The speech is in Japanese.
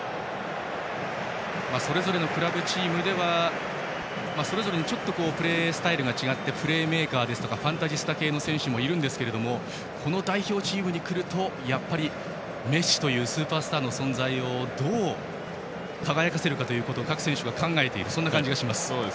それぞれのクラブチームではそれぞれ、ちょっとプレースタイルが違ってプレーメーカーだとかファンタジスタ系の選手もいるんですけどもこの代表チームにくるとやっぱりメッシというスーパースターの存在をどう輝かせるかを各選手は考えている感じがします。